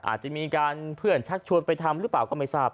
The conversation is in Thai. อาจจะมีการเพื่อนชักชวนไปทำหรือเปล่าก็ไม่ทราบ